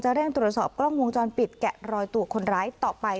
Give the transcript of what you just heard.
เร่งตรวจสอบกล้องวงจรปิดแกะรอยตัวคนร้ายต่อไป